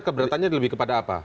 keberatannya lebih kepada apa